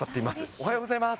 おはようございます。